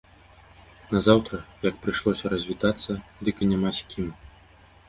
Назаўтра, як прыйшлося развітацца, дык і няма з кім.